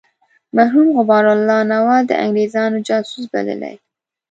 مرحوم غبار الله نواز د انګرېزانو جاسوس بللی.